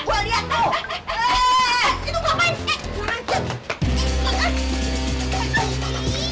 gua juga punya motor nih